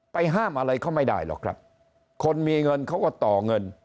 ห้ามอะไรเขาไม่ได้หรอกครับคนมีเงินเขาก็ต่อเงิน